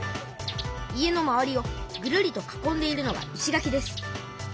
家の周りをぐるりと囲んでいるのが石垣です。